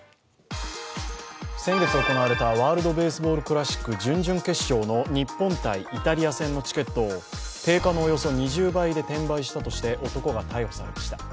先月行われたワールドベースボールクラシック準々決勝の日本×イタリア戦のチケットを定価のおよそ２０倍で転売したとして男が逮捕されました。